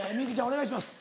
お願いします。